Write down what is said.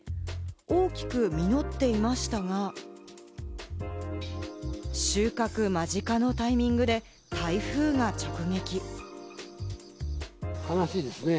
大きく実っていましたが、収穫間近のタイミングで台風が直撃。